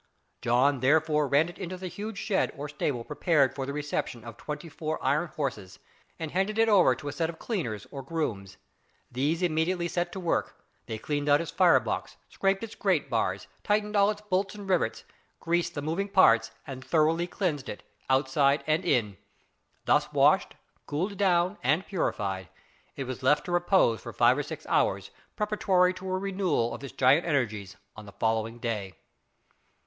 John therefore ran it into the huge shed or stable prepared for the reception of twenty four iron horses, and handed it over to a set of cleaners or grooms. These immediately set to work; they cleaned out its fire box, scraped its grate bars, tightened all its bolts and rivets, greased the moving parts, and thoroughly cleansed it, outside and in. Thus washed, cooled down, and purified, it was left to repose for five or six hours preparatory to a renewal of its giant energies on the following day.